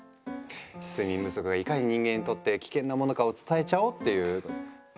睡眠不足がいかに人間にとって危険なものかを伝えちゃおうっていう。